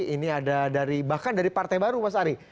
ini ada dari bahkan dari partai baru mas ari